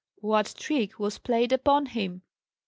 "What trick was played upon him?"